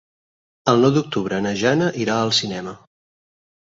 El nou d'octubre na Jana irà al cinema.